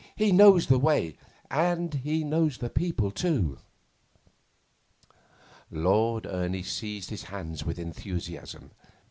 He knows the way, and he knows the people too.' Lord Ernie seized his hands with enthusiasm.